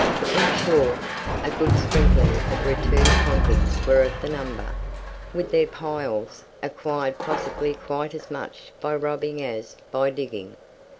In short, a good sprinkling of returned convicts were of the number, with their "piles," acquired possibly quite as much by robbing as by digging.